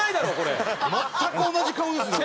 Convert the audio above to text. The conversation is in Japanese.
全く同じ顔ですね